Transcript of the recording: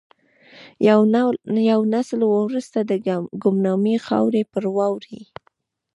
یو نسل وروسته به د ګمنامۍ خاورې پر واوړي.